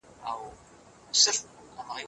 آیا هغه نجلۍ بېدېدله؟